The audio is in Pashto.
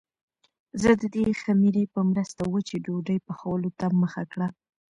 زه د دې خمیرې په مرسته وچې ډوډۍ پخولو ته مخه کړه.